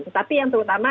tetapi yang terutama